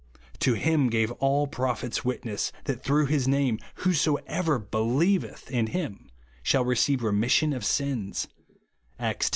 To him gave all the pro phets witness, that through his name who^ soever helieveth in him shall receive remis sion of sins," (Acts x.